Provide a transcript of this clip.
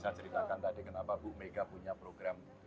saya ceritakan tadi kenapa bu mega punya program